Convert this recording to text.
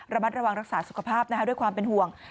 ระมัดระวังรักษาสุขภาพด้วยความเป็นห่วง